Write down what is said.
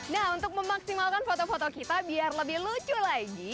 nah untuk memaksimalkan foto foto kita biar lebih lucu lagi